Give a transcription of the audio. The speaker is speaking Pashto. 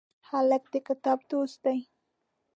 هلک د کتاب دوست دی.